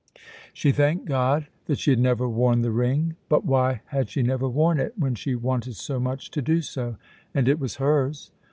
She thanked God that she had never worn the ring. But why had she never worn it, when she wanted so much to do so, and it was hers?